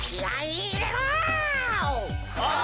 お！